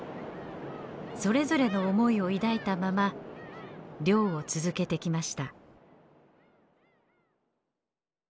それぞれの思いを抱いたまま漁を続けてきました。